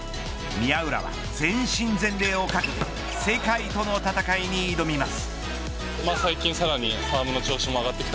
宮浦は、全身全霊をかけて世界との戦いに挑みます。